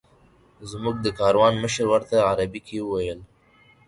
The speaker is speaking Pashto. زموږ د کاروان مشر ورته عربي کې وویل.